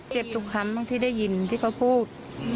เจ็บทุกคำที่ได้ยินที่เขาพูด